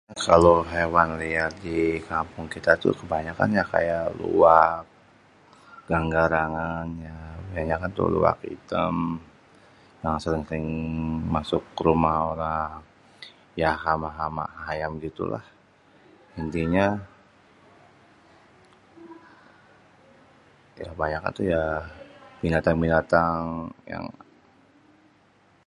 Kalo hewan liar di kampung kita tuh kebanyakan ya kayak luwak, ganggarangan. Kebanyakan tuh luwak itêm yang sering-sering masuk ke rumah orang. Yah hama-hama ayam gitulah. Intinya, kebanyakan tuh ya binatang-binatang yang